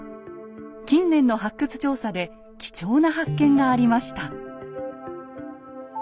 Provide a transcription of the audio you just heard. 近年の発掘調査で貴重な発見がありました。